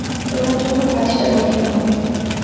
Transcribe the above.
তোমার জন্য কাজটা কঠিন হবে।